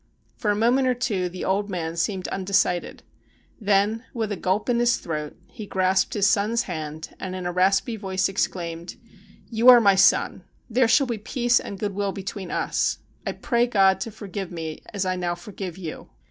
For a moment or two the old man seemed undecided. Then, with a gulp in his throat, he grasped his son's hand, and in a raspy voice exclaimed :' You are my son. There shall be peace and goodwill between us. I pray God to forgive me as I now forgive you.'